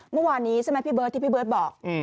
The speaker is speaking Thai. เมื่อวานนี้ใช่ไหมพี่เบิร์ดที่พี่เบิร์ตบอก